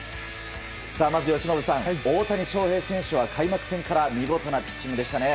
由伸さん、大谷翔平選手は開幕から見事なピッチングでしたね。